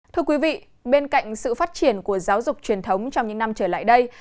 thưa quý vị bên cạnh sự phát triển của giáo dục truyền thống trong những năm trở lại đây